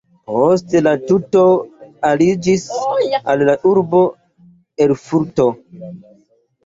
Poste la tuto aliĝis al la urbo Erfurto.